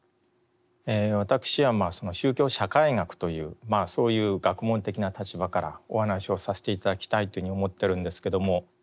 私は宗教社会学というそういう学問的な立場からお話をさせて頂きたいというふうに思っているんですけども。